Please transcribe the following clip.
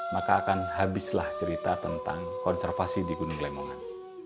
maka akan habislah cerita tentang konservasi di gunung lemongan